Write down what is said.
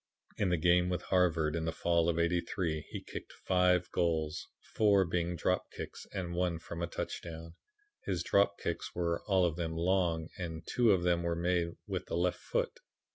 In the game with Harvard in the fall of '83, he kicked five goals, four being drop kicks and one from a touchdown. His drop kicks were all of them long and two of them were made with the left foot.